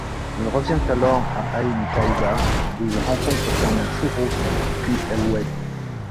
Il revient alors à Aïn Taïba où il rencontre Fernand Foureau, puis El Oued.